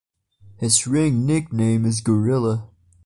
His ring nickname is Gorilla.